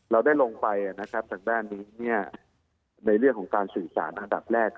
เราได้ลงไปทางด้านนี้ในเรื่องของการสื่อสารอันดับแรก